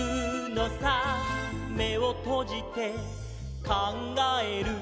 「めをとじてかんがえる」